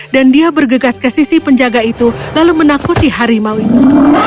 dan dia bergegas ke sisi penjaga itu lalu menakuti harimau itu